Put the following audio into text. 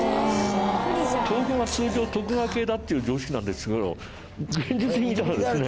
東軍は通常徳川系だっていう常識なんですけど現実的に見たらですね。